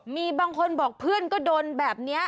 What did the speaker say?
มีบางคนบอกเพื่อนก็โดนแบบนี้